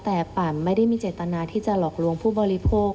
แต่ปั่นไม่ได้มีเจตนาที่จะหลอกลวงผู้บริโภค